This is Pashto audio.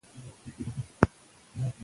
لېوه خره ته کړلې سپیني خپلي داړي